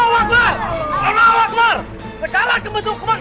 tidak ada yang akan mendengar kamu